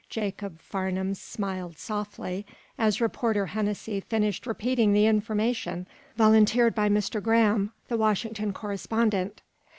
Jacob Farnum smiled softly as Reporter Hennessy finished repeating the information volunteered by Mr. Graham, the Washington correspondent.